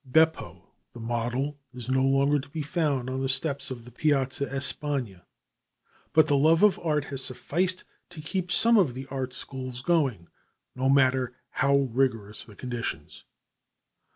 Beppo the model is no longer to be found on the steps of the Piazza Espagne, but the love of art has sufficed to keep some of the art schools going, no matter how rigorous the conditions.